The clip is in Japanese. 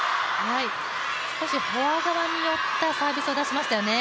少しフォア側に寄ったサービスを出しましたよね。